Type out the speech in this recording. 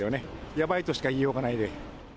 やばいとしか言いようがないんで。